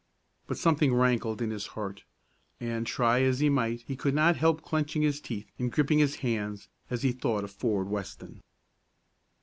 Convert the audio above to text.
But something rankled in his heart, and, try as he might he could not help clenching his teeth and gripping his hands as he thought of Ford Weston.